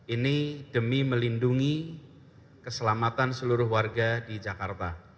ini demi melindungi keselamatan seluruh warga di jakarta